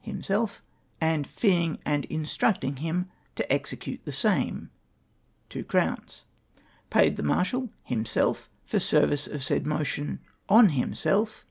(himself) and feeing and instructing him to execute the same! '2 0 0 Paid the Marslial (hnwi^eU) for service of said monition ! (on himself)